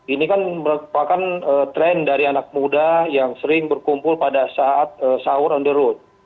ini kan merupakan tren dari anak muda yang sering berkumpul pada saat sahur on the road